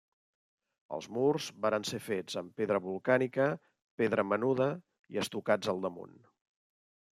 Els murs varen ser fets amb pedra volcànica, pedra menuda i estucats al damunt.